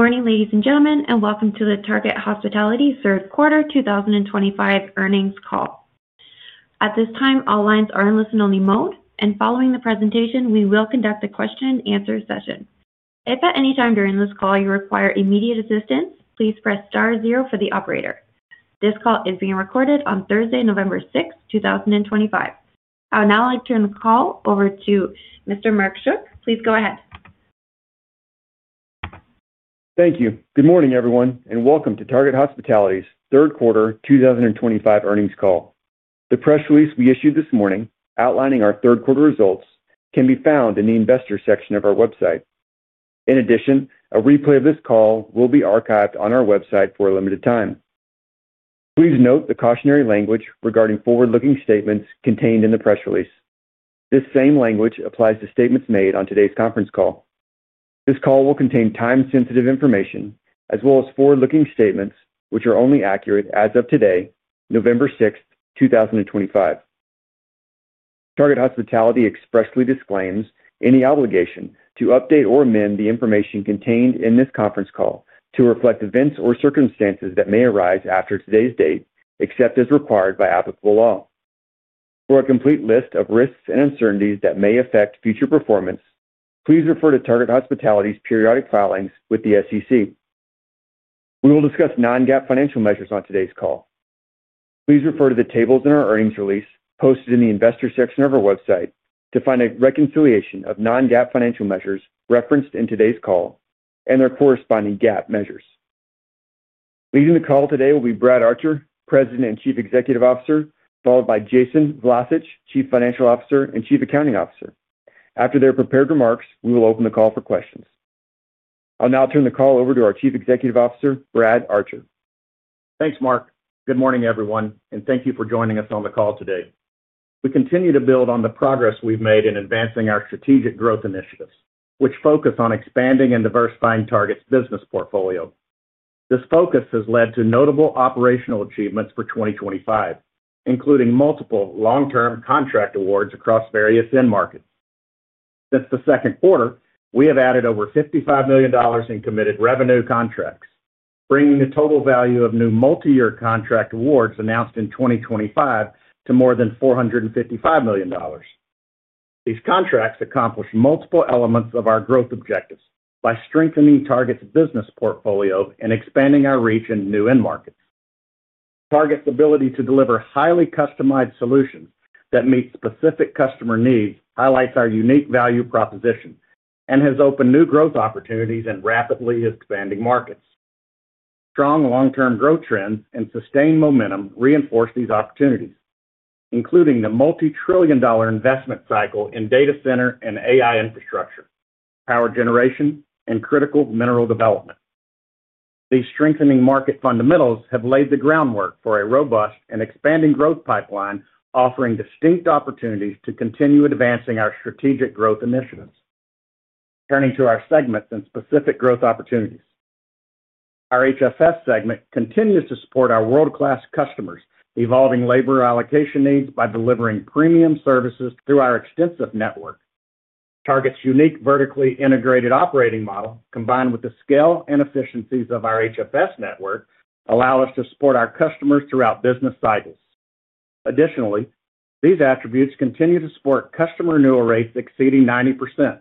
Good morning, ladies and gentlemen, and welcome to the Target Hospitality Q3 2025 earnings call. At this time, all lines are in listen-only mode, and following the presentation, we will conduct a question-and-answer session. If at any time during this call you require immediate assistance, please press star zero for the operator. This call is being recorded on Thursday, November 6, 2025. I would now like to turn the call over to Mr. Mark Schuck. Please go ahead. Thank you. Good morning, everyone, and welcome to Target Hospitality's Q3 2025 earnings call. The press release we issued this morning outlining our Q3 results can be found in the Investor section of our website. In addition, a replay of this call will be archived on our website for a limited time. Please note the cautionary language regarding forward-looking statements contained in the press release. This same language applies to statements made on today's conference call. This call will contain time-sensitive information as well as forward-looking statements which are only accurate as of today, November 6, 2025. Target Hospitality expressly disclaims any obligation to update or amend the information contained in this conference call to reflect events or circumstances that may arise after today's date, except as required by applicable law. For a complete list of risks and uncertainties that may affect future performance, please refer to Target Hospitality's periodic filings with the SEC. We will discuss non-GAAP financial measures on today's call. Please refer to the tables in our earnings release posted in the Investor section of our website to find a reconciliation of non-GAAP financial measures referenced in today's call and their corresponding GAAP measures. Leading the call today will be Brad Archer, President and Chief Executive Officer, followed by Jason Vlacich, Chief Financial Officer and Chief Accounting Officer. After their prepared remarks, we will open the call for questions. I'll now turn the call over to our Chief Executive Officer, Brad Archer. Thanks, Mark. Good morning, everyone, and thank you for joining us on the call today. We continue to build on the progress we've made in advancing our strategic growth initiatives, which focus on expanding and diversifying Target Hospitality's business portfolio. This focus has led to notable operational achievements for 2025, including multiple long-term contract awards across various end markets. Since the second quarter, we have added over $55 million in committed revenue contracts, bringing the total value of new multi-year contract awards announced in 2025 to more than $455 million. These contracts accomplish multiple elements of our growth objectives by strengthening Target Hospitality's business portfolio and expanding our reach in new end markets. Target Hospitality's ability to deliver highly customized solutions that meet specific customer needs highlights our unique value proposition and has opened new growth opportunities in rapidly expanding markets. Strong long-term growth trends and sustained momentum reinforce these opportunities, including the multi-trillion-dollar investment cycle in data center and AI infrastructure, power generation, and critical mineral development. These strengthening market fundamentals have laid the groundwork for a robust and expanding growth pipeline, offering distinct opportunities to continue advancing our strategic growth initiatives. Turning to our segments and specific growth opportunities. Our HFS segment continues to support our world-class customers' evolving labor allocation needs by delivering premium services through our extensive network. Target's unique vertically integrated operating model, combined with the scale and efficiencies of our HFS network, allows us to support our customers throughout business cycles. Additionally, these attributes continue to support customer renewal rates exceeding 90%,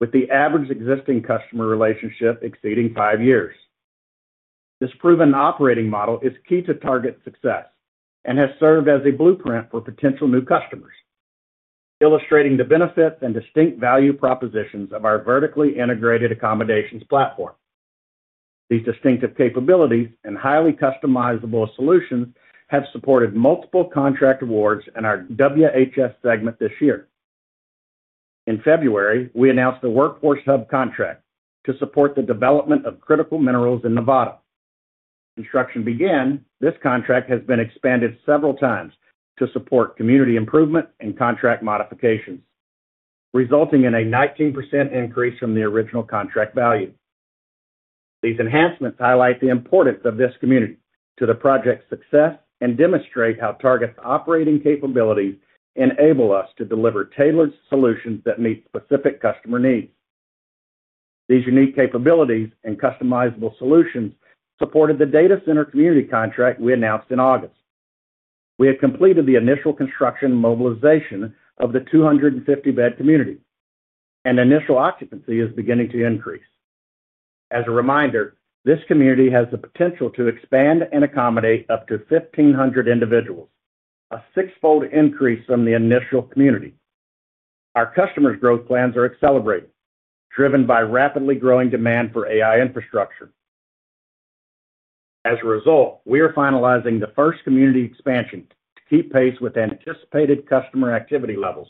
with the average existing customer relationship exceeding five years. This proven operating model is key to Target's success and has served as a blueprint for potential new customers. Illustrating the benefits and distinct value propositions of our vertically integrated accommodations platform. These distinctive capabilities and highly customizable solutions have supported multiple contract awards in our WHS segment this year. In February, we announced the Workforce Hub contract to support the development of critical minerals in Nevada. As construction began, this contract has been expanded several times to support community improvement and contract modifications, resulting in a 19% increase from the original contract value. These enhancements highlight the importance of this community to the project's success and demonstrate how Target's operating capabilities enable us to deliver tailored solutions that meet specific customer needs. These unique capabilities and customizable solutions supported the data center community contract we announced in August. We have completed the initial construction and mobilization of the 250-bed community, and initial occupancy is beginning to increase. As a reminder, this community has the potential to expand and accommodate up to 1,500 individuals, a six-fold increase from the initial community. Our customers' growth plans are accelerating, driven by rapidly growing demand for AI infrastructure. As a result, we are finalizing the first community expansion to keep pace with anticipated customer activity levels.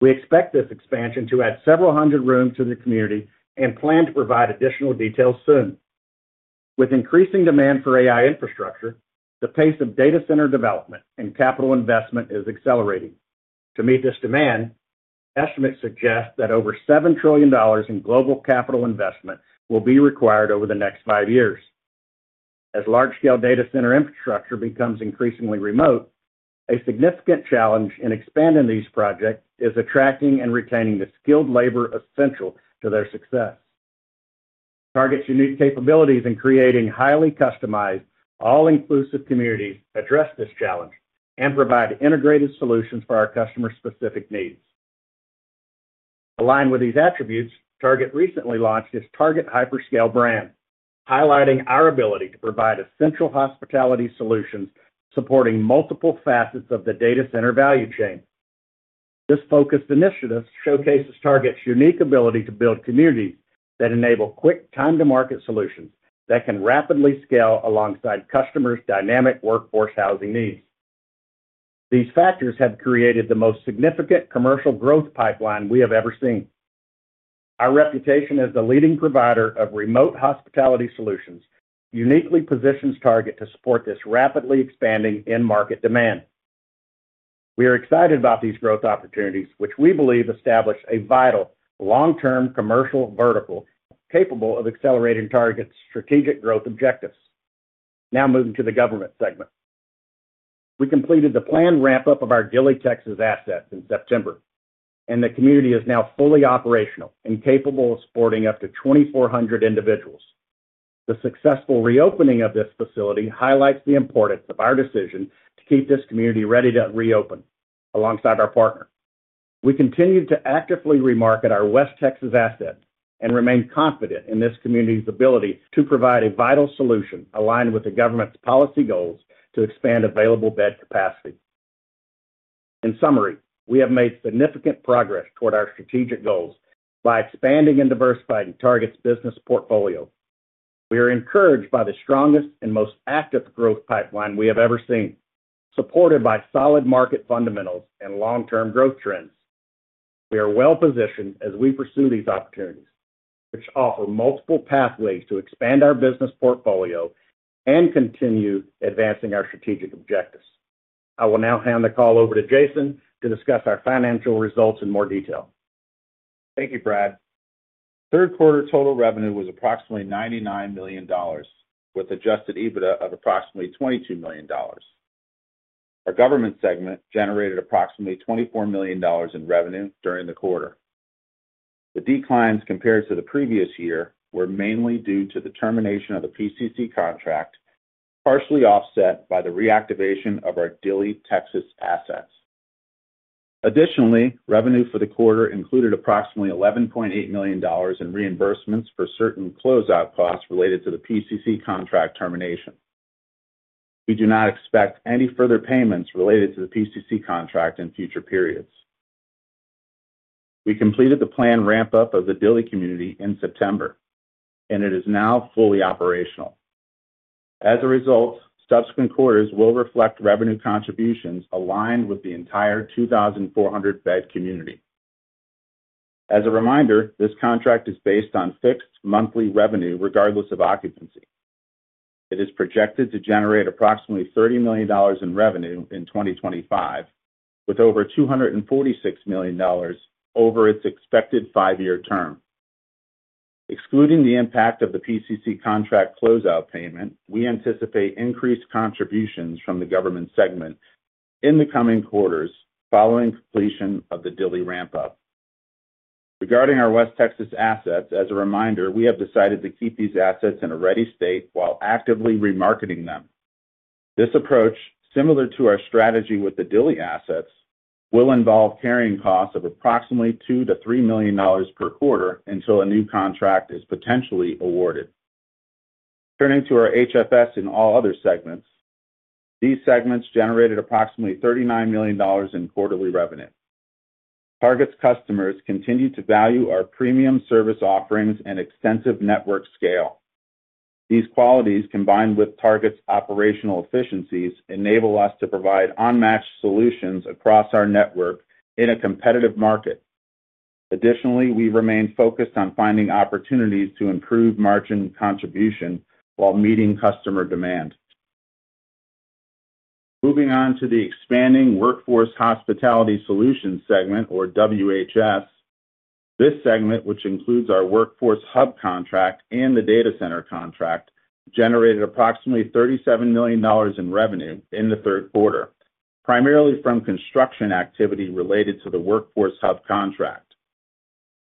We expect this expansion to add several hundred rooms to the community and plan to provide additional details soon. With increasing demand for AI infrastructure, the pace of data center development and capital investment is accelerating. To meet this demand, estimates suggest that over $7 trillion in global capital investment will be required over the next five years. As large-scale data center infrastructure becomes increasingly remote, a significant challenge in expanding these projects is attracting and retaining the skilled labor essential to their success. Target's unique capabilities in creating highly customized, all-inclusive communities address this challenge and provide integrated solutions for our customer-specific needs. Aligned with these attributes, Target recently launched its Target Hyperscale brand, highlighting our ability to provide essential hospitality solutions supporting multiple facets of the data center value chain. This focused initiative showcases Target's unique ability to build communities that enable quick, time-to-market solutions that can rapidly scale alongside customers' dynamic workforce housing needs. These factors have created the most significant commercial growth pipeline we have ever seen. Our reputation as the leading provider of remote hospitality solutions uniquely positions Target to support this rapidly expanding end market demand. We are excited about these growth opportunities, which we believe establish a vital long-term commercial vertical capable of accelerating Target's strategic growth objectives. Now moving to the government segment. We completed the planned ramp-up of our Gilley, Texas assets in September. The community is now fully operational and capable of supporting up to 2,400 individuals. The successful reopening of this facility highlights the importance of our decision to keep this community ready to reopen alongside our partner. We continue to actively remarket our West Texas assets and remain confident in this community's ability to provide a vital solution aligned with the government's policy goals to expand available bed capacity. In summary, we have made significant progress toward our strategic goals by expanding and diversifying Target Hospitality's business portfolio. We are encouraged by the strongest and most active growth pipeline we have ever seen, supported by solid market fundamentals and long-term growth trends. We are well-positioned as we pursue these opportunities, which offer multiple pathways to expand our business portfolio and continue advancing our strategic objectives. I will now hand the call over to Jason to discuss our financial results in more detail. Thank you, Brad. Q3 total revenue was approximately $99 million, with Adjusted EBITDA of approximately $22 million. Our government segment generated approximately $24 million in revenue during the quarter. The declines compared to the previous year were mainly due to the termination of the PCC contract, partially offset by the reactivation of our Gilley, Texas assets. Additionally, revenue for the quarter included approximately $11.8 million in reimbursements for certain closeout costs related to the PCC contract termination. We do not expect any further payments related to the PCC contract in future periods. We completed the planned ramp-up of the Gilley community in September. It is now fully operational. As a result, subsequent quarters will reflect revenue contributions aligned with the entire 2,400-bed community. As a reminder, this contract is based on fixed monthly revenue regardless of occupancy. It is projected to generate approximately $30 million in revenue in 2025, with over $246 million over its expected five-year term. Excluding the impact of the PCC contract closeout payment, we anticipate increased contributions from the government segment in the coming quarters following completion of the Gilley ramp-up. Regarding our West Texas assets, as a reminder, we have decided to keep these assets in a ready state while actively remarketing them. This approach, similar to our strategy with the Gilley assets, will involve carrying costs of approximately $2 million-$3 million per quarter until a new contract is potentially awarded. Turning to our HFS and All Other segments, these segments generated approximately $39 million in quarterly revenue. Target's customers continue to value our premium service offerings and extensive network scale. These qualities, combined with Target's operational efficiencies, enable us to provide unmatched solutions across our network in a competitive market. Additionally, we remain focused on finding opportunities to improve margin contribution while meeting customer demand. Moving on to the expanding Workforce Hospitality Solutions segment, or WHS. This segment, which includes our Workforce Hub contract and the data center contract, generated approximately $37 million in revenue in the third quarter, primarily from construction activity related to the Workforce Hub contract.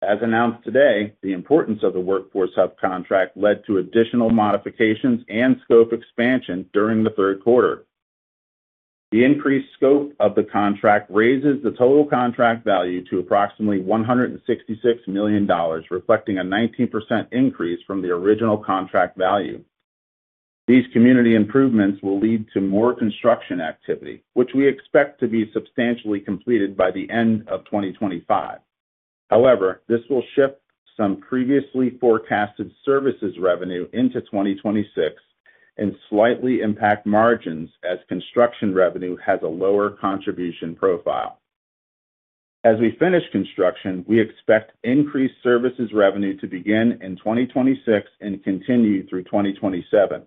As announced today, the importance of the Workforce Hub contract led to additional modifications and scope expansion during the third quarter. The increased scope of the contract raises the total contract value to approximately $166 million, reflecting a 19% increase from the original contract value. These community improvements will lead to more construction activity, which we expect to be substantially completed by the end of 2025. However, this will shift some previously forecasted services revenue into 2026. Slightly impact margins as construction revenue has a lower contribution profile. As we finish construction, we expect increased services revenue to begin in 2026 and continue through 2027.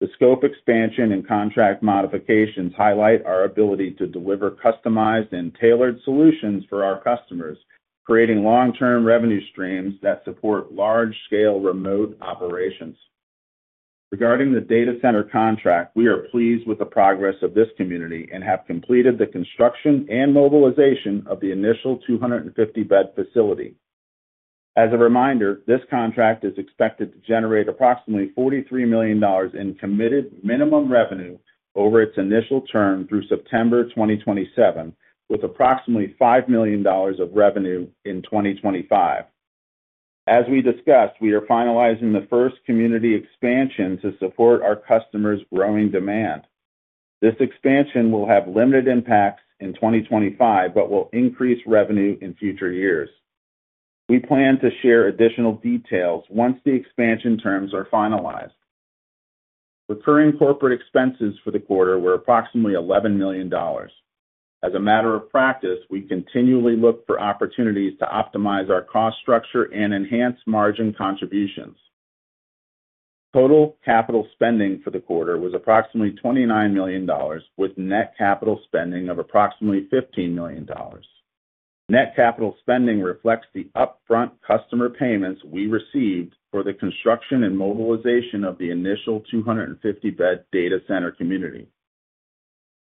The scope expansion and contract modifications highlight our ability to deliver customized and tailored solutions for our customers, creating long-term revenue streams that support large-scale remote operations. Regarding the data center contract, we are pleased with the progress of this community and have completed the construction and mobilization of the initial 250-bed facility. As a reminder, this contract is expected to generate approximately $43 million in committed minimum revenue over its initial term through September 2027, with approximately $5 million of revenue in 2025. As we discussed, we are finalizing the first community expansion to support our customers' growing demand. This expansion will have limited impacts in 2025 but will increase revenue in future years. We plan to share additional details once the expansion terms are finalized. Recurring corporate expenses for the quarter were approximately $11 million. As a matter of practice, we continually look for opportunities to optimize our cost structure and enhance margin contributions. Total capital spending for the quarter was approximately $29 million, with net capital spending of approximately $15 million. Net capital spending reflects the upfront customer payments we received for the construction and mobilization of the initial 250-bed data center community.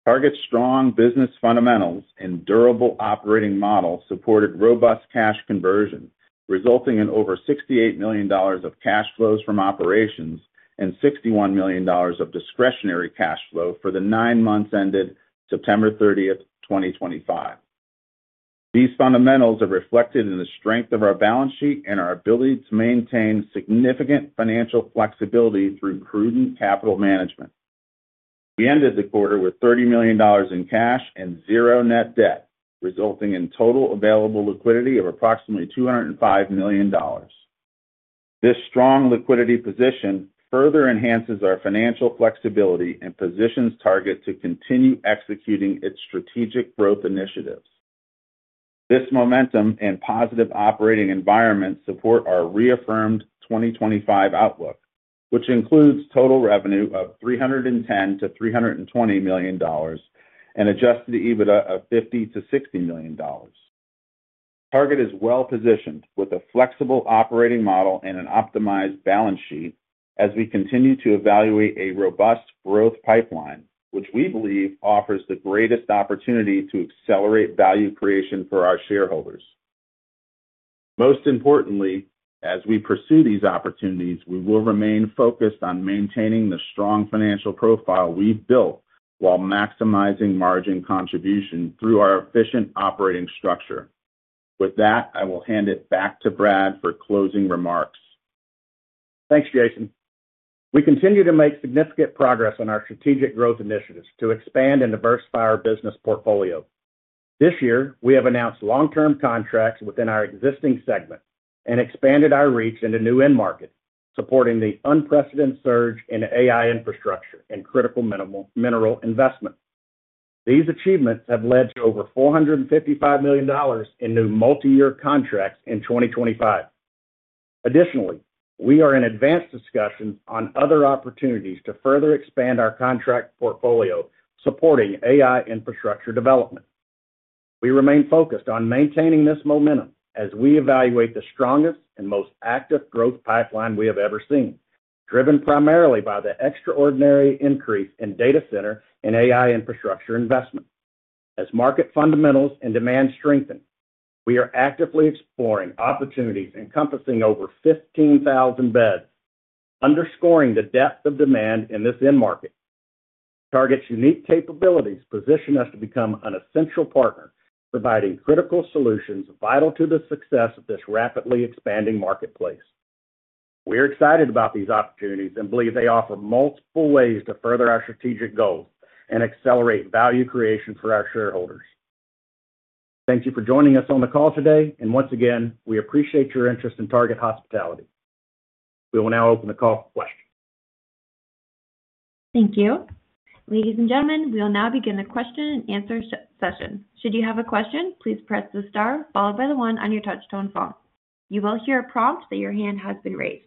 Target's strong business fundamentals and durable operating model supported robust cash conversion, resulting in over $68 million of cash flows from operations and $61 million of discretionary cash flow for the nine months ended September 30th, 2025. These fundamentals are reflected in the strength of our balance sheet and our ability to maintain significant financial flexibility through prudent capital management. We ended the quarter with $30 million in cash and zero net debt, resulting in total available liquidity of approximately $205 million. This strong liquidity position further enhances our financial flexibility and positions Target Hospitality to continue executing its strategic growth initiatives. This momentum and positive operating environment support our reaffirmed 2025 outlook, which includes total revenue of $310 million-$320 million and Adjusted EBITDA of $50 million-$60 million. Target Hospitality is well-positioned with a flexible operating model and an optimized balance sheet as we continue to evaluate a robust growth pipeline, which we believe offers the greatest opportunity to accelerate value creation for our shareholders. Most importantly, as we pursue these opportunities, we will remain focused on maintaining the strong financial profile we've built while maximizing margin contribution through our efficient operating structure. With that, I will hand it back to Brad for closing remarks. Thanks, Jason. We continue to make significant progress on our strategic growth initiatives to expand and diversify our business portfolio. This year, we have announced long-term contracts within our existing segment and expanded our reach into new end markets, supporting the unprecedented surge in AI infrastructure and critical mineral investment. These achievements have led to over $455 million in new multi-year contracts in 2025. Additionally, we are in advanced discussions on other opportunities to further expand our contract portfolio supporting AI infrastructure development. We remain focused on maintaining this momentum as we evaluate the strongest and most active growth pipeline we have ever seen, driven primarily by the extraordinary increase in data center and AI infrastructure investment. As market fundamentals and demand strengthen, we are actively exploring opportunities encompassing over 15,000 beds, underscoring the depth of demand in this end market. Target's unique capabilities position us to become an essential partner, providing critical solutions vital to the success of this rapidly expanding marketplace. We are excited about these opportunities and believe they offer multiple ways to further our strategic goals and accelerate value creation for our shareholders. Thank you for joining us on the call today. Once again, we appreciate your interest in Target Hospitality. We will now open the call for questions. Thank you. Ladies and gentlemen, we will now begin the question and answer session. Should you have a question, please press the star followed by the one on your touch-tone phone. You will hear a prompt that your hand has been raised.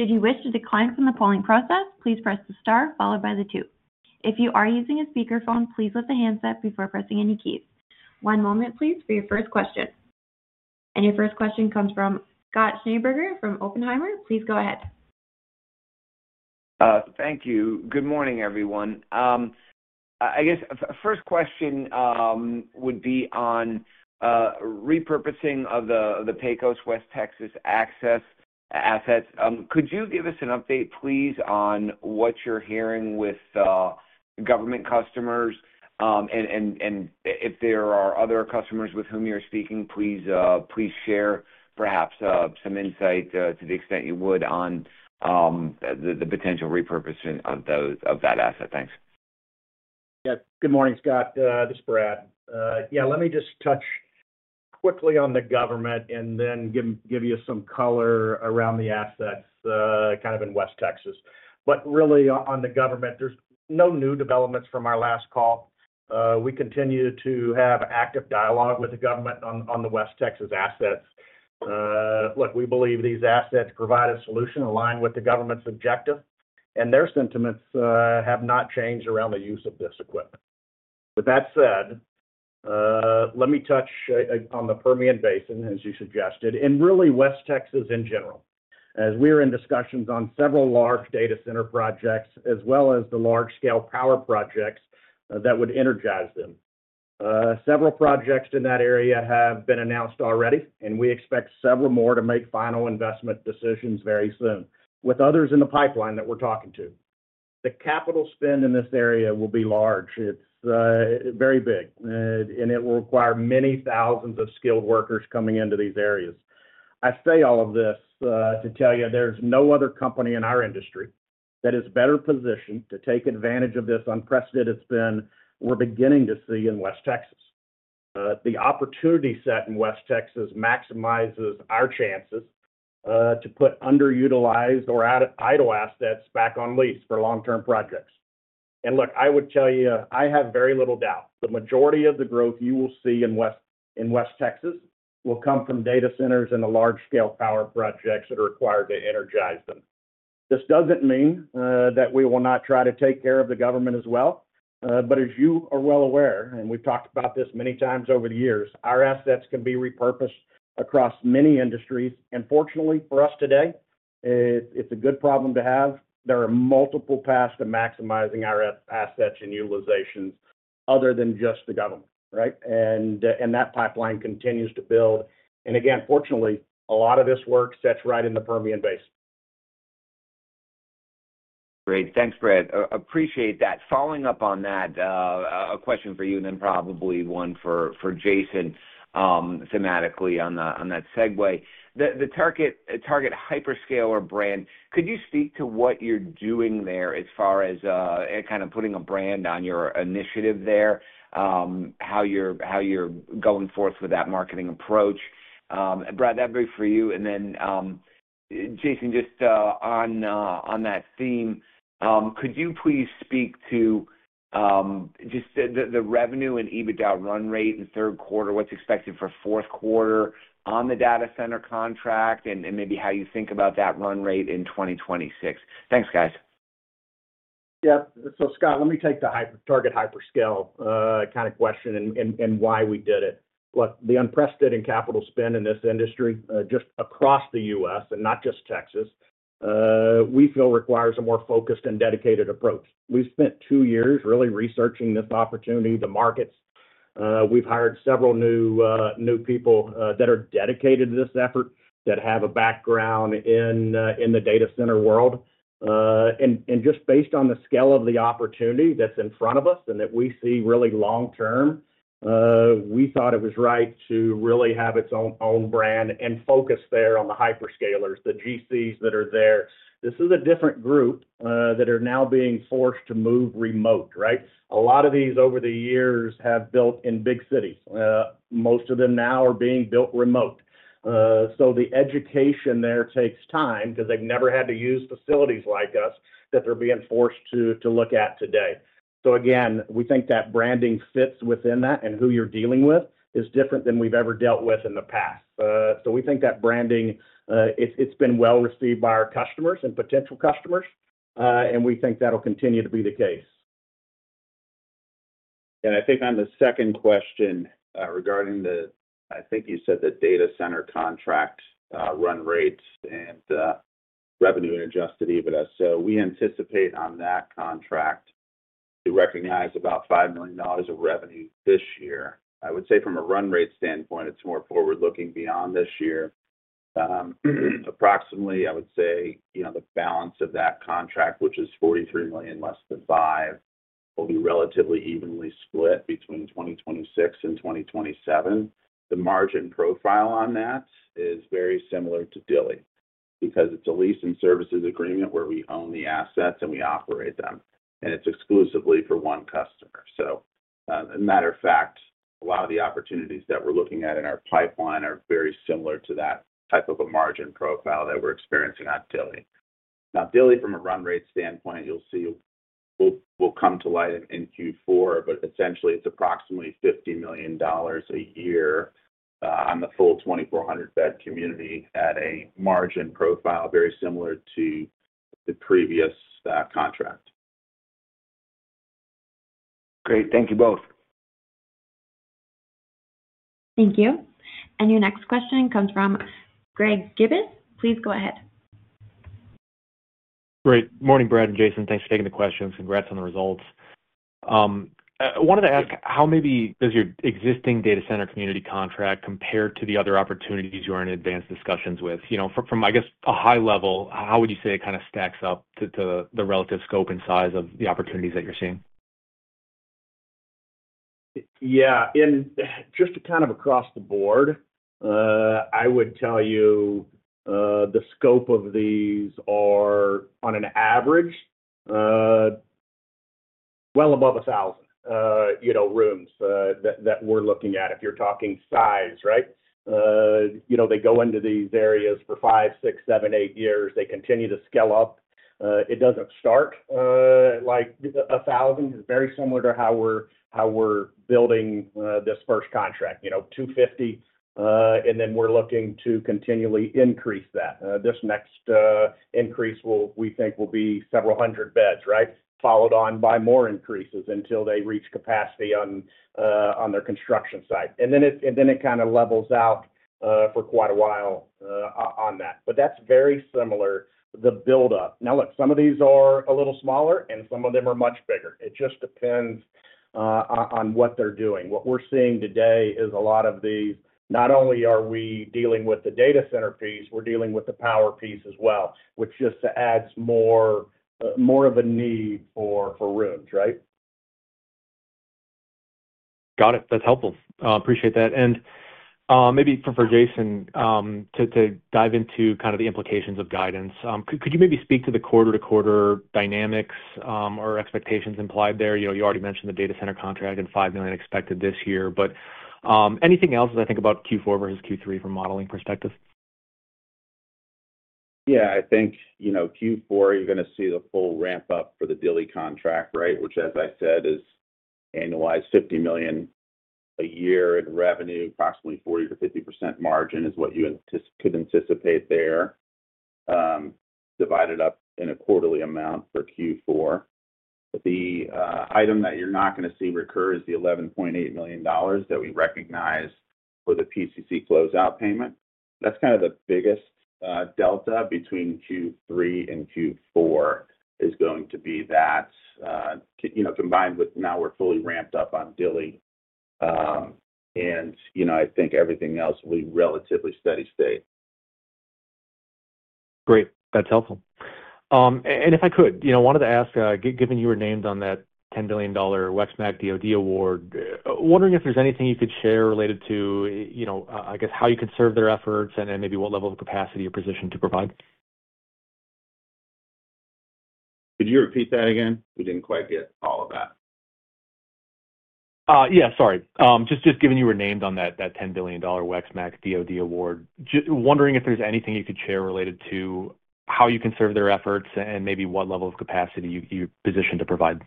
Should you wish to decline from the polling process, please press the star followed by the two. If you are using a speakerphone, please let the hands up before pressing any keys. One moment, please, for your first question. Your first question comes from Scott Schneeberger from Oppenheimer. Please go ahead. Thank you. Good morning, everyone. I guess the first question would be on repurposing of the Pecos, West Texas assets. Could you give us an update, please, on what you're hearing with government customers? And if there are other customers with whom you're speaking, please share perhaps some insight to the extent you would on the potential repurposing of that asset. Thanks. Yes. Good morning, Scott. This is Brad. Yeah, let me just touch quickly on the government and then give you some color around the assets kind of in West Texas. Really, on the government, there's no new developments from our last call. We continue to have active dialogue with the government on the West Texas assets. Look, we believe these assets provide a solution aligned with the government's objective, and their sentiments have not changed around the use of this equipment. With that said, let me touch on the Permian Basin, as you suggested, and really West Texas in general, as we are in discussions on several large data center projects as well as the large-scale power projects that would energize them. Several projects in that area have been announced already, and we expect several more to make final investment decisions very soon, with others in the pipeline that we're talking to. The capital spend in this area will be large. It's very big, and it will require many thousands of skilled workers coming into these areas. I say all of this to tell you there's no other company in our industry that is better positioned to take advantage of this unprecedented spend we're beginning to see in West Texas. The opportunity set in West Texas maximizes our chances to put underutilized or idle assets back on lease for long-term projects. Look, I would tell you, I have very little doubt. The majority of the growth you will see in West Texas will come from data centers and the large-scale power projects that are required to energize them. This does not mean that we will not try to take care of the government as well. As you are well aware, and we have talked about this many times over the years, our assets can be repurposed across many industries. Fortunately for us today, it is a good problem to have. There are multiple paths to maximizing our assets and utilizations other than just the government, right? That pipeline continues to build. Again, fortunately, a lot of this work sits right in the Permian Basin. Great. Thanks, Brad. Appreciate that. Following up on that. A question for you and then probably one for Jason. Thematically on that segue. The Target Hyperscale brand, could you speak to what you're doing there as far as kind of putting a brand on your initiative there, how you're going forth with that marketing approach? Brad, that'd be for you. Jason, just on that theme, could you please speak to just the revenue and EBITDA run rate in third quarter, what's expected for fourth quarter on the data center contract, and maybe how you think about that run rate in 2026? Thanks, guys. Yeah. Scott, let me take the Target Hyperscale kind of question and why we did it. Look, the unprecedented capital spend in this industry, just across the U.S. and not just Texas. We feel requires a more focused and dedicated approach. We've spent two years really researching this opportunity, the markets. We've hired several new people that are dedicated to this effort that have a background in the data center world. Just based on the scale of the opportunity that's in front of us and that we see really long-term, we thought it was right to really have its own brand and focus there on the hyperscalers, the GCs that are there. This is a different group that are now being forced to move remote, right? A lot of these over the years have built in big cities. Most of them now are being built remote. The education there takes time because they've never had to use facilities like us that they're being forced to look at today. Again, we think that branding fits within that, and who you're dealing with is different than we've ever dealt with in the past. We think that branding has been well received by our customers and potential customers, and we think that'll continue to be the case. I think on the second question regarding the, I think you said the data center contract run rates and revenue and Adjusted EBITDA, we anticipate on that contract to recognize about $5 million of revenue this year. I would say from a run rate standpoint, it is more forward-looking beyond this year. Approximately, I would say the balance of that contract, which is $43 million less than $5 million, will be relatively evenly split between 2026 and 2027. The margin profile on that is very similar to Dilley because it is a lease and services agreement where we own the assets and we operate them, and it is exclusively for one customer. As a matter of fact, a lot of the opportunities that we are looking at in our pipeline are very similar to that type of a margin profile that we are experiencing on Dilley. Now, Dilley, from a run rate standpoint, you'll see. Will come to light in Q4, but essentially, it's approximately $50 million a year. On the full 2,400-bed community at a margin profile very similar to. The previous contract. Great. Thank you both. Thank you. Your next question comes from Greg Gibas. Please go ahead. Great. Good morning, Brad and Jason. Thanks for taking the questions. Congrats on the results. I wanted to ask, how maybe does your existing data center community contract compare to the other opportunities you're in advanced discussions with? From, I guess, a high level, how would you say it kind of stacks up to the relative scope and size of the opportunities that you're seeing? Yeah. Just kind of across the board, I would tell you the scope of these are on an average well above 1,000 rooms that we're looking at. If you're talking size, right? They go into these areas for five, six, seven, eight years. They continue to scale up. It does not start like 1,000. It is very similar to how we're building this first contract, 250, and then we're looking to continually increase that. This next increase, we think, will be several hundred beds, right? Followed on by more increases until they reach capacity on their construction site. Then it kind of levels out for quite a while on that. That is very similar, the buildup. Now, look, some of these are a little smaller, and some of them are much bigger. It just depends on what they're doing. What we're seeing today is a lot of these, not only are we dealing with the data center piece, we're dealing with the power piece as well, which just adds more of a need for rooms, right? Got it. That's helpful. Appreciate that. Maybe for Jason. To dive into kind of the implications of guidance, could you maybe speak to the quarter-to-quarter dynamics or expectations implied there? You already mentioned the data center contract and $5 million expected this year. Anything else as I think about Q4 versus Q3 from a modeling perspective? Yeah. I think Q4, you're going to see the full ramp-up for the Dilley contract, right? Which, as I said, is annualized $50 million a year in revenue, approximately 40%-50% margin is what you could anticipate there. Divided up in a quarterly amount for Q4. The item that you're not going to see recur is the $11.8 million that we recognize for the PCC closeout payment. That's kind of the biggest delta between Q3 and Q4 is going to be that. Combined with now we're fully ramped up on Dilley. I think everything else will be relatively steady state. Great. That's helpful. If I could, I wanted to ask, given you were named on that $10 million WEXMAC DOD award, wondering if there's anything you could share related to, I guess, how you can serve their efforts and maybe what level of capacity or position to provide? Could you repeat that again? We did not quite get all of that. Yeah. Sorry. Just given you were named on that $10 billion WEXMAC DOD award, wondering if there's anything you could share related to how you can serve their efforts and maybe what level of capacity you're positioned to provide.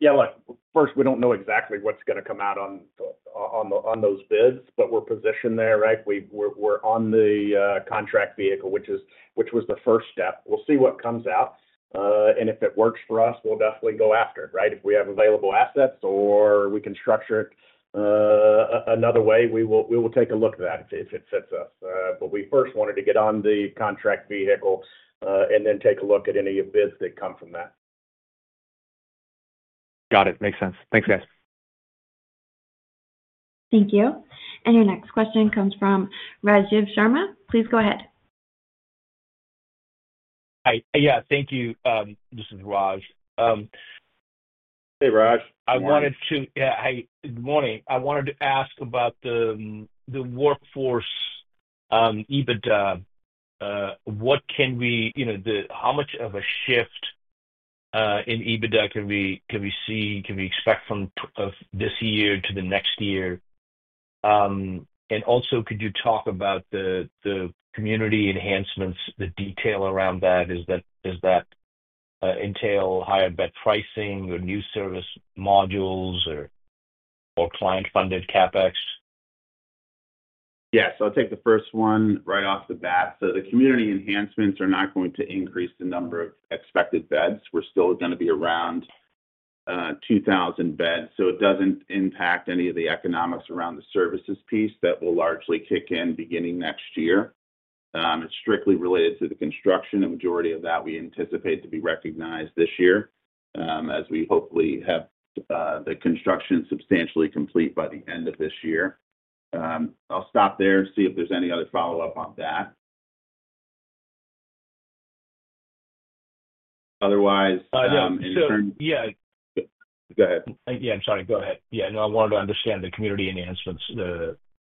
Yeah. Look, first, we do not know exactly what is going to come out on those bids, but we are positioned there, right? We are on the contract vehicle, which was the first step. We will see what comes out. If it works for us, we will definitely go after it, right? If we have available assets or we can structure it another way, we will take a look at that if it fits us. We first wanted to get on the contract vehicle and then take a look at any of the bids that come from that. Got it. Makes sense. Thanks, guys. Thank you. Your next question comes from Rajiv Sharma. Please go ahead. Hi. Yeah. Thank you. This is Raj. Hey, Raj. Hi. Good morning. I wanted to ask about the Workforce EBITDA. What can we—how much of a shift in EBITDA can we see? Can we expect from this year to the next year? Also, could you talk about the community enhancements, the detail around that? Does that entail higher bed pricing or new service modules or client-funded CapEx? Yes. I'll take the first one right off the bat. The community enhancements are not going to increase the number of expected beds. We're still going to be around 2,000 beds. It doesn't impact any of the economics around the services piece that will largely kick in beginning next year. It's strictly related to the construction. The majority of that we anticipate to be recognized this year as we hopefully have the construction substantially complete by the end of this year. I'll stop there and see if there's any other follow-up on that. Otherwise, in terms— Yeah. Go ahead. Yeah. I'm sorry. Go ahead. Yeah. I wanted to understand the community enhancements.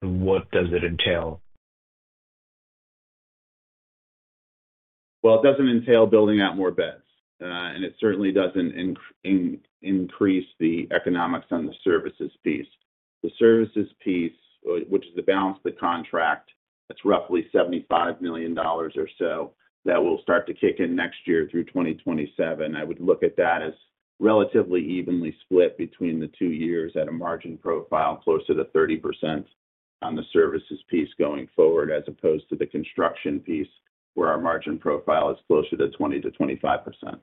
What does it entail? It does not entail building out more beds. It certainly does not increase the economics on the services piece. The services piece, which is the balance of the contract, that is roughly $75 million or so that will start to kick in next year through 2027. I would look at that as relatively evenly split between the two years at a margin profile closer to 30% on the services piece going forward as opposed to the construction piece where our margin profile is closer to 20%-25%.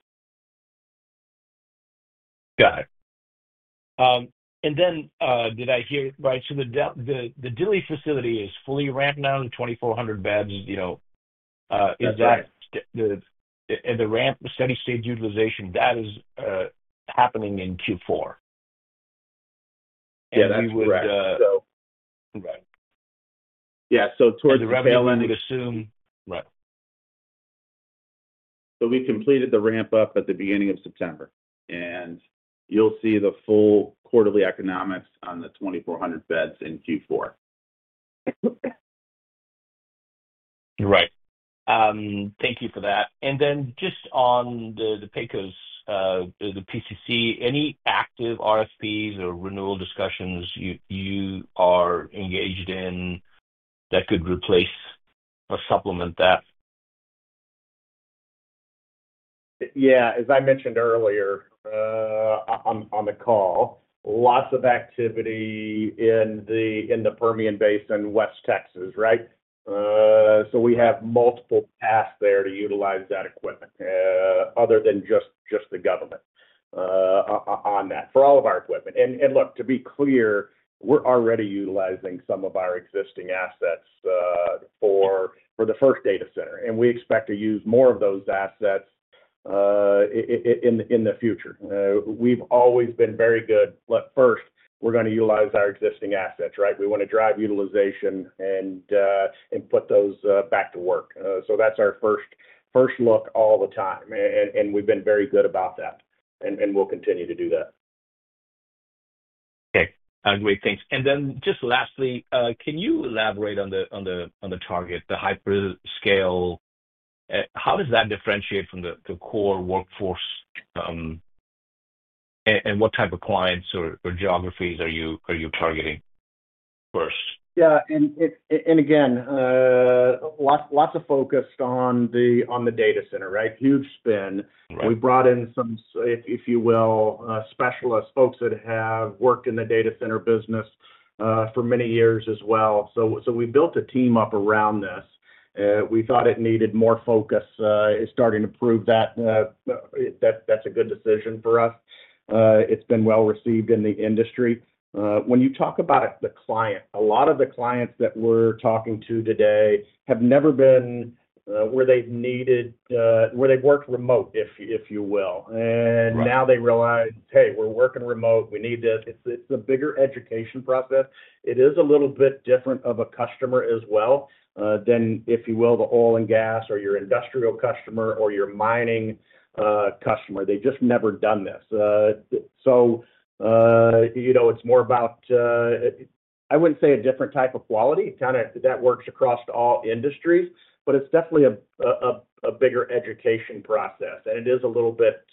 Got it. Did I hear right? The Dilley facility is fully ramped down to 2,400 beds. Is that? That's correct. The ramp steady-state utilization, that is happening in Q4? Yeah. That's correct. You would— Yeah. So towards the tail end. The revenue would assume— Right. We completed the ramp-up at the beginning of September. You'll see the full quarterly economics on the 2,400 beds in Q4. Right. Thank you for that. And then just on the PCC, any active RFPs or renewal discussions you are engaged in that could replace or supplement that? Yeah. As I mentioned earlier on the call, lots of activity in the Permian Basin, West Texas, right? We have multiple paths there to utilize that equipment other than just the government. On that for all of our equipment. Look, to be clear, we're already utilizing some of our existing assets for the first data center, and we expect to use more of those assets in the future. We've always been very good. Look, first, we're going to utilize our existing assets, right? We want to drive utilization and put those back to work. That's our first look all the time, and we've been very good about that, and we'll continue to do that. Okay. Great. Thanks. And then just lastly, can you elaborate on the Target Hyperscale? How does that differentiate from the core workforce? And what type of clients or geographies are you targeting first? Yeah. Again, lots of focus on the data center, right? Huge spin. We brought in some, if you will, specialists, folks that have worked in the data center business for many years as well. We built a team up around this. We thought it needed more focus. It's starting to prove that that's a good decision for us. It's been well received in the industry. When you talk about the client, a lot of the clients that we're talking to today have never been where they've needed, where they've worked remote, if you will. Now they realize, "Hey, we're working remote. We need this." It's a bigger education process. It is a little bit different of a customer as well than, if you will, the oil and gas or your industrial customer or your mining customer. They've just never done this. It's more about. I wouldn't say a different type of quality. Kind of that works across all industries. It is definitely a bigger education process. It is a little bit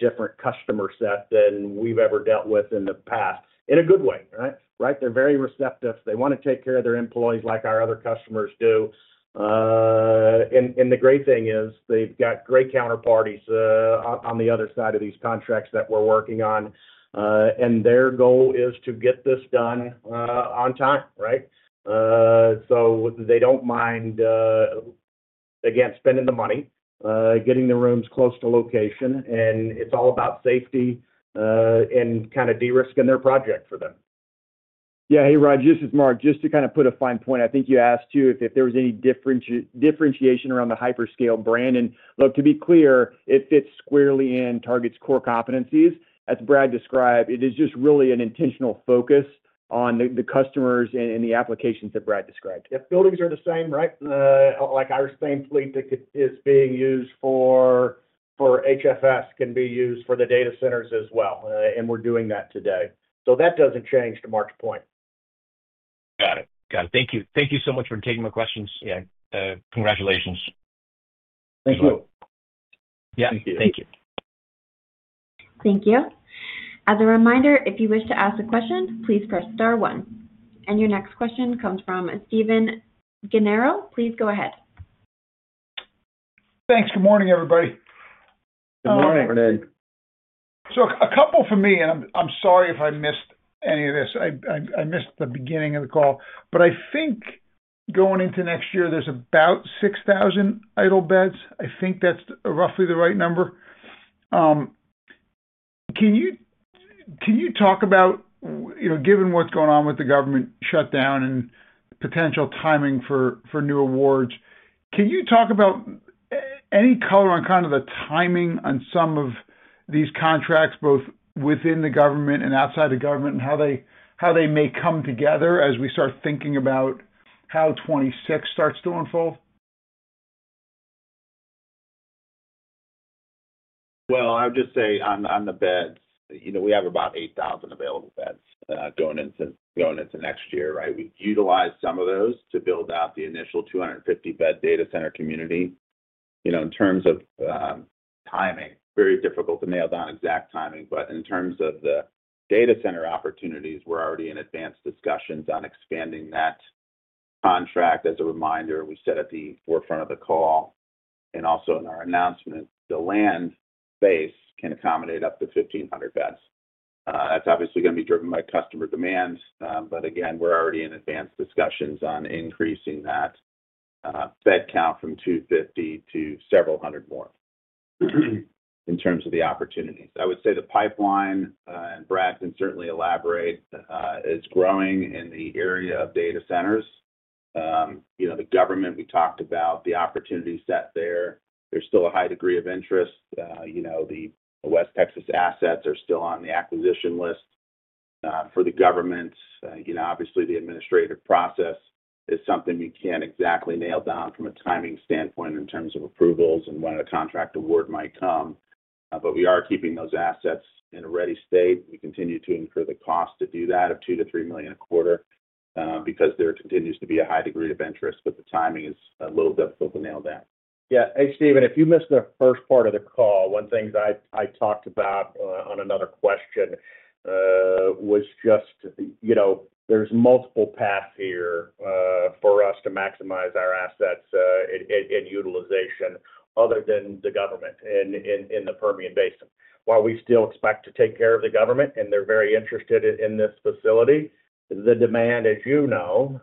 different customer set than we've ever dealt with in the past, in a good way, right? They're very receptive. They want to take care of their employees like our other customers do. The great thing is they've got great counterparties on the other side of these contracts that we're working on. Their goal is to get this done on time, right? They don't mind, again, spending the money, getting the rooms close to location. It is all about safety and kind of de-risking their project for them. Yeah. Hey, Raj, this is Mark. Just to kind of put a fine point, I think you asked too if there was any differentiation around the Hyperscale brand. And look, to be clear, it fits squarely in Target's core competencies. As Brad described, it is just really an intentional focus on the customers and the applications that Brad described. If buildings are the same, right? Like our same fleet that is being used for HFS can be used for the data centers as well. And we're doing that today. That doesn't change to Mark's point. Got it. Thank you. Thank you so much for taking my questions. Yeah. Congratulations. Thank you. Yeah. Thank you. Thank you. As a reminder, if you wish to ask a question, please press star one. Your next question comes from Stephen Gengaro. Please go ahead. Thanks. Good morning, everybody. Good morning. Good morning. A couple for me, and I'm sorry if I missed any of this. I missed the beginning of the call. I think going into next year, there's about 6,000 idle beds. I think that's roughly the right number. Can you talk about, given what's going on with the government shutdown and potential timing for new awards, can you talk about any color on kind of the timing on some of these contracts, both within the government and outside the government, and how they may come together as we start thinking about how 2026 starts to unfold? I would just say on the beds, we have about 8,000 available beds going into next year, right? We've utilized some of those to build out the initial 250-bed data center community. In terms of timing, very difficult to nail down exact timing. In terms of the data center opportunities, we're already in advanced discussions on expanding that contract. As a reminder, we said at the forefront of the call, and also in our announcement, the land base can accommodate up to 1,500 beds. That's obviously going to be driven by customer demand. Again, we're already in advanced discussions on increasing that bed count from 250 to several hundred more. In terms of the opportunities, I would say the pipeline, and Brad can certainly elaborate, is growing in the area of data centers. The government we talked about, the opportunity set there, there's still a high degree of interest. The West Texas assets are still on the acquisition list. For the government, obviously, the administrative process is something we can't exactly nail down from a timing standpoint in terms of approvals and when a contract award might come. We are keeping those assets in a ready state. We continue to incur the cost to do that of $2 million-$3 million a quarter because there continues to be a high degree of interest, but the timing is a little difficult to nail down. Yeah. Hey, Stephen, if you missed the first part of the call, one thing I talked about on another question was just, there's multiple paths here for us to maximize our assets and utilization other than the government in the Permian Basin. While we still expect to take care of the government, and they're very interested in this facility, the demand, as you know,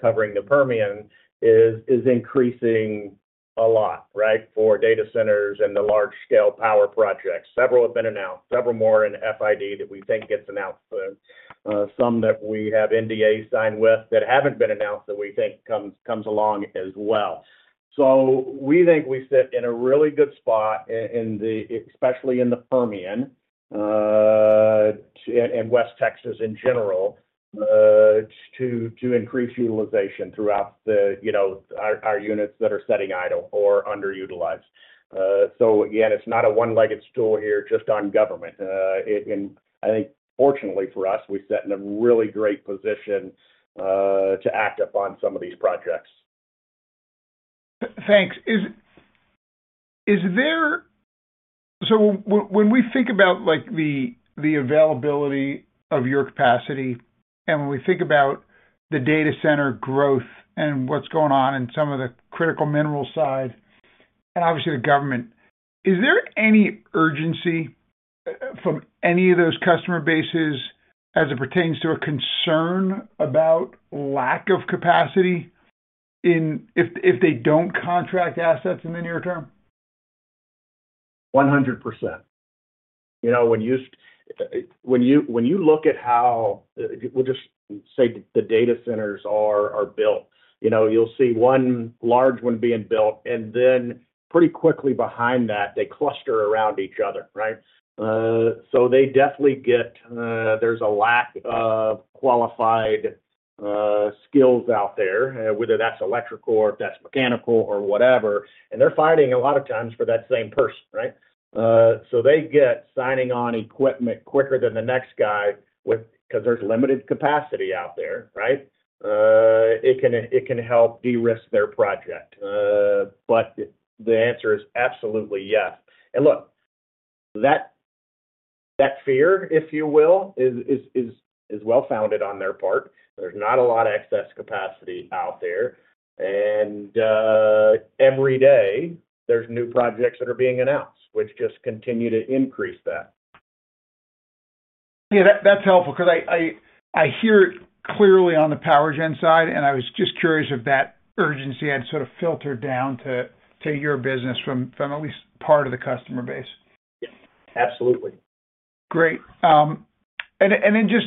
covering the Permian is increasing a lot, right, for data centers and the large-scale power projects. Several have been announced, several more in FID that we think gets announced, some that we have NDAs signed with that haven't been announced that we think comes along as well. We think we sit in a really good spot, especially in the Permian and West Texas in general, to increase utilization throughout our units that are sitting idle or underutilized. Again, it's not a one-legged stool here just on government. I think, fortunately for us, we sit in a really great position to act upon some of these projects. Thanks. When we think about the availability of your capacity and when we think about the data center growth and what's going on in some of the critical minerals side and obviously the government, is there any urgency from any of those customer bases as it pertains to a concern about lack of capacity if they don't contract assets in the near term? 100%. When you look at how, we'll just say the data centers are built, you'll see one large one being built, and then pretty quickly behind that, they cluster around each other, right? They definitely get there's a lack of qualified skills out there, whether that's electrical or if that's mechanical or whatever. They're fighting a lot of times for that same person, right? They get signing on equipment quicker than the next guy because there's limited capacity out there, right? It can help de-risk their project. The answer is absolutely yes. Look, that fear, if you will, is well-founded on their part. There's not a lot of excess capacity out there. Every day, there's new projects that are being announced, which just continue to increase that. Yeah. That's helpful because I hear it clearly on the PowerGen side. I was just curious if that urgency had sort of filtered down to your business from at least part of the customer base. Yeah. Absolutely. Great. And then just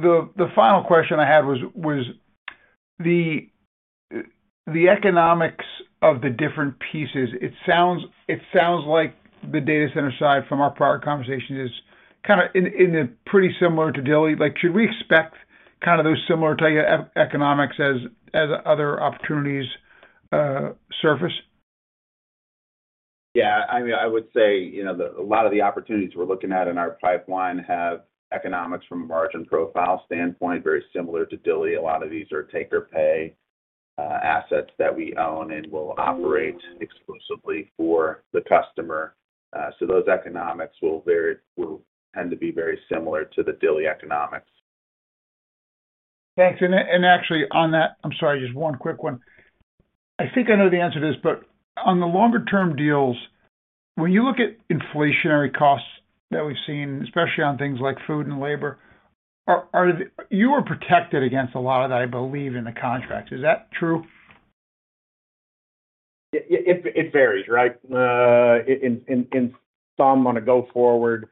the final question I had was the economics of the different pieces. It sounds like the data center side from our prior conversation is kind of pretty similar to Dilley. Should we expect kind of those similar type of economics as other opportunities surface? Yeah. I mean, I would say a lot of the opportunities we're looking at in our pipeline have economics from a margin profile standpoint, very similar to Dilley. A lot of these are take-or-pay. Assets that we own and will operate exclusively for the customer. So those economics will tend to be very similar to the Dilley economics. Thanks. Actually, on that, I'm sorry, just one quick one. I think I know the answer to this, but on the longer-term deals, when you look at inflationary costs that we've seen, especially on things like food and labor, you are protected against a lot of that, I believe, in the contracts. Is that true? It varies, right? In some, on a go-forward,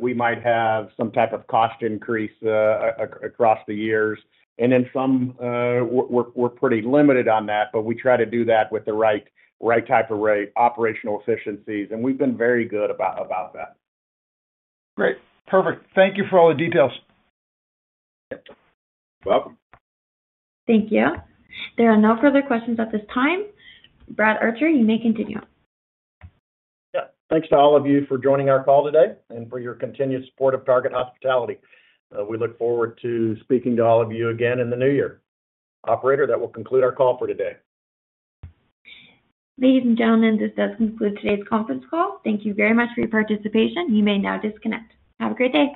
we might have some type of cost increase across the years. In some, we're pretty limited on that, but we try to do that with the right type of operational efficiencies. We've been very good about that. Great. Perfect. Thank you for all the details. You're welcome. Thank you. There are no further questions at this time. Brad Archer, you may continue. Yeah. Thanks to all of you for joining our call today and for your continued support of Target Hospitality. We look forward to speaking to all of you again in the new year. Operator, that will conclude our call for today. Ladies and gentlemen, this does conclude today's conference call. Thank you very much for your participation. You may now disconnect. Have a great day.